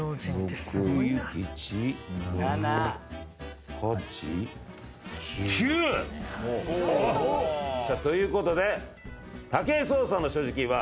７８９！ということで武井壮さんの所持金は。